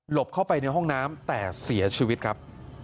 เข้าไปในห้องน้ำแต่เสียชีวิตครับ